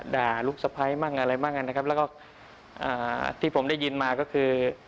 ด่าลูกสะพ้ายมั่งอะไรมั่งนะครับแล้วก็อ่าที่ผมได้ยินมาก็คือ